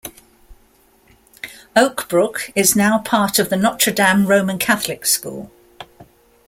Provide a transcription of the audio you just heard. Oakbrook is now part of the Notre Dame Roman Catholic School.